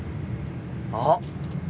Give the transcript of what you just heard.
あっ。